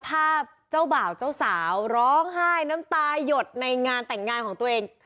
เจ้าบ่าวเจ้าสาวร้องไห้น้ำตายหยดในงานแต่งงานของตัวเอง